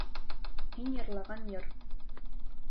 Һин йырлаған йыр